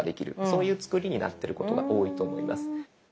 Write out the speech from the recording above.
そういう作りになってることが多いと思います。